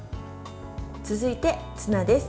続いて、ツナです。